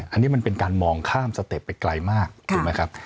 อันนี้มันเป็นการมองข้ามสเต็ปไปไกลมากถูกไหมครับ